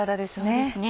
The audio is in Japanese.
そうですね。